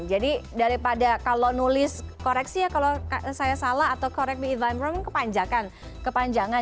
jadi daripada kalau nulis koreksi ya kalau saya salah atau correct me if i'm wrong kepanjakan kepanjangan